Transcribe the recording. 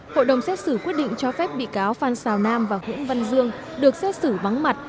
hội đồng xét xử quyết định cho phép bị cáo phan xào nam và nguyễn văn dương được xét xử vắng mặt